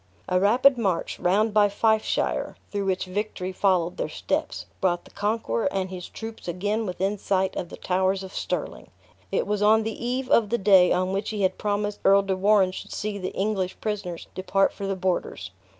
A rapid march, round by Fifeshire (through which victory followed their steps), brought the conqueror and his troops again within sight of the towers of Stirling. It was on the eve of the day on which he had promised Earl de Warenne should see the English prisoners depart for the borders.